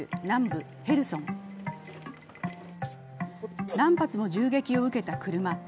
何発も銃撃を受けた車。